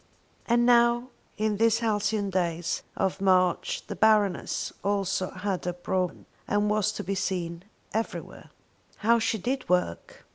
And now in these halcyon days of March the Baroness also had her brougham and was to be seen everywhere. How she did work!